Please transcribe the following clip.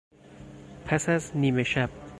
پس از نیمه شب